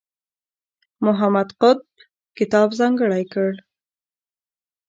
محمد قطب کتاب ځانګړی کړی.